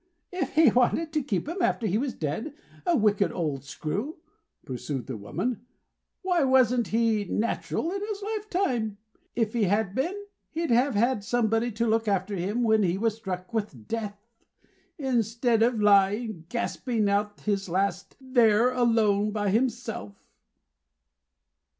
"If he wanted to keep 'em after he was dead, a wicked old screw," pursued the woman, "why wasn't he natural in his lifetime? If he had been, he'd have had somebody to look after him when he was struck with Death, instead of lying gasping out his last there, alone by himself."